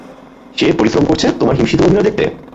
সে পরিশ্রম করছে তোমার হিমশীতল অভিনয় দেখতে?